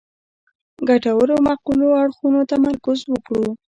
ګټورو معقولو اړخونو تمرکز وکړو.